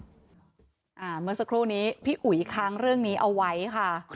เมื่อสักครู่นี้พี่อุ๋ยค้างเรื่องนี้เอาไว้ค่ะ